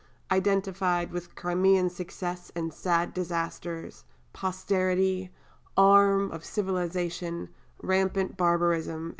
"identified with Crimean success and sad disasters," "posterity," "arm of civilisation," "rampant barbarism," &c.